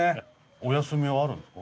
お休みはあるんですか？